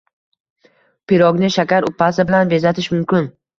Pirogni shakar upasi bilan bezatish mumkin